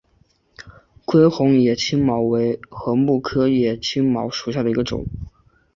玫红野青茅为禾本科野青茅属下的一个种。